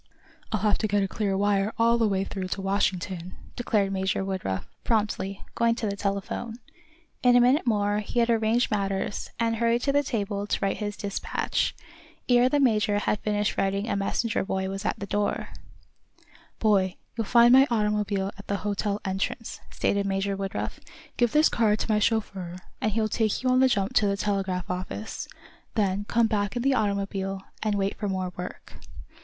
"I'll have to get a clear wire all the way through to Washington," declared Major Woodruff, promptly, going to the telephone. In a minute more he had arranged matters, and hurried to the table to write his despatch. Ere the major had finished writing a messenger boy was at the door. "Boy, you'll find my automobile at the hotel entrance," stated Major Woodruff. "Give this card to my chauffeur, and he'll take you on the jump to the telegraph office. Then come back in the automobile, and wait for more work."